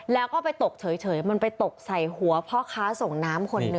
แล้วก็ไปตกเฉยมันไปตกใส่หัวพ่อค้าส่งน้ำคนหนึ่ง